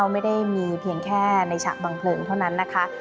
ไม่ได้มีเพียงแค่ในฉากบังเพลิงเท่านั้นนะคะ